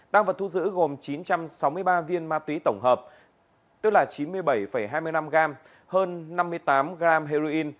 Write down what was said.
tăng vật thu giữ gồm chín trăm sáu mươi ba viên ma túy tổng hợp tức là chín mươi bảy hai mươi năm gram hơn năm mươi tám gram heroin